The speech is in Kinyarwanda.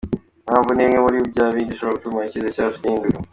Impamvu ni bimwe muri bya bindi bishobora gutuma ikirere cyacu gihinduka.